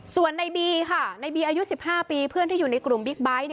ส่วนในบีค่ะในบีอายุ๑๕ปีเพื่อนที่อยู่ในกลุ่มบิ๊กไบท์